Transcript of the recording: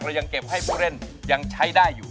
ยังเก็บให้ผู้เล่นยังใช้ได้อยู่